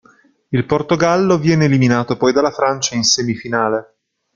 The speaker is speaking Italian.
Il Portogallo viene eliminato poi dalla Francia in semifinale.